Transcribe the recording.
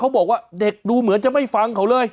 บอกว่าเด็กดูเหมือนจะไม่ฟังเขาเลย